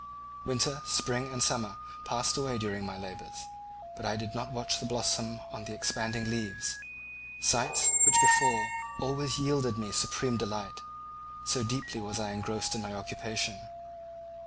Winter, spring, and summer passed away during my labours; but I did not watch the blossom or the expanding leaves—sights which before always yielded me supreme delight—so deeply was I engrossed in my occupation.